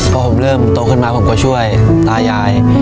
พอผมเริ่มโตขึ้นมาผมก็ช่วยตายาย